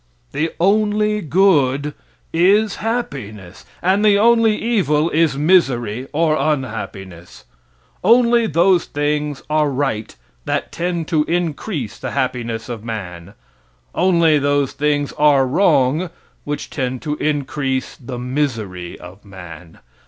The only good, is happiness; and the only evil, is misery, or unhappiness. Only those things are right that tend to increase the happiness of man; only those things are wrong which tend to increase the misery of man.